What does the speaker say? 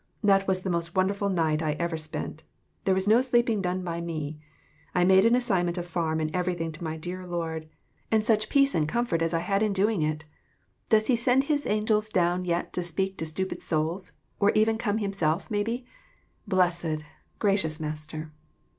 That was the most wonderful night I ever spent. There was no sleeping done by me. I made an assignment of farm and everything to my dear Lord, and such peace and comfort as I had 12 AUNT HANNAH'S LETTER TO HER SISTER. in doing it ! Does he send his angels down yet to speak to stupid souls, or even come himself, maybe? Blessed, gracious Master!